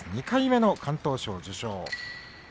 ２回目の敢闘賞受賞。